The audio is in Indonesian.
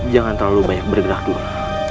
jangan terlalu banyak bergerak dua